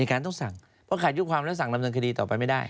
การต้องสั่งเพราะขาดยุความแล้วสั่งดำเนินคดีต่อไปไม่ได้